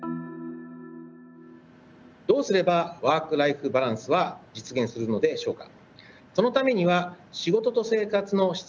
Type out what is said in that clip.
どうすればワーク・ライフ・バランスは実現するのでしょうか？